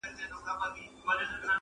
یو څه نڅا یو څه خندا ته ورکړو؛